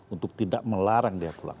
untuk tidak melarang dia pulang